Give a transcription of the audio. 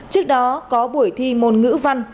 trước đó có buổi thi môn ngữ văn